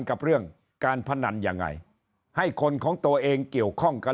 กับเรื่องการพนันยังไงให้คนของตัวเองเกี่ยวข้องกับ